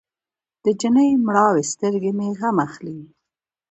د جینۍ مړاوې سترګې مې غم اخلي.